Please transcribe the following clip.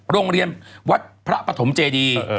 โรงเรียนวัดพระปฐมเจดี